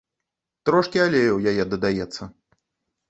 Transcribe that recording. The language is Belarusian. Трошкі алею ў яе дадаецца.